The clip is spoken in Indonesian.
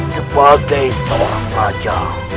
sebagai seorang raja